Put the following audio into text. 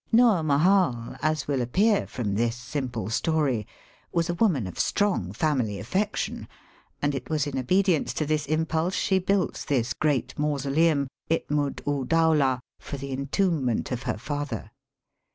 Noor Mahal, as will appear from this simple story, was a woman of strong family affection, and it was in obedience to this impulse she built this great mausoleum, Itmud oo Dowlah, for the entombment of her father.